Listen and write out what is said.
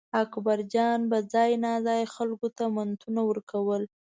اکبرجان به ځای ناځای خلکو ته منتونه کول.